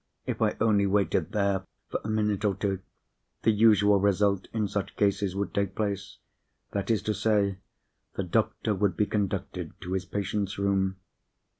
If I only waited there for a minute or two, the usual result in such cases would take place. That is to say, the doctor would be conducted to his patient's room.